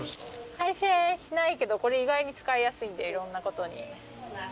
配線しないけどこれ意外に使いやすいんでいろんなことに。